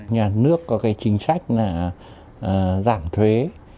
nhà nước có cái chính sách là giảm thuế